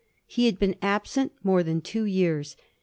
He had been absent more than two years.